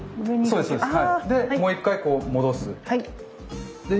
そうですそうです。